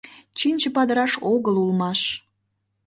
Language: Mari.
Чинче падыраш огыл улмаш